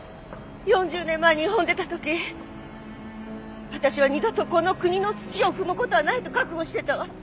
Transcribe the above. ４０年前日本を出た時私は二度とこの国の土を踏む事はないと覚悟してたわ。